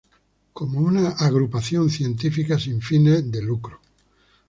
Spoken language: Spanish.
Como una agrupación científica sin fines lucrativos.